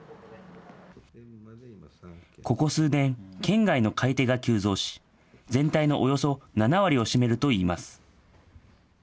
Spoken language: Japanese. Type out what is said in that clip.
ここ数年、県外の買い手が急増し、全体のおよそ７割を占めるといいます。